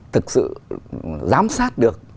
thực sự giám sát được